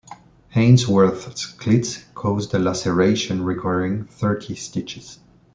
Haynesworth's cleats caused a laceration requiring thirty stitches.